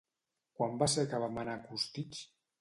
Quan va ser que vam anar a Costitx?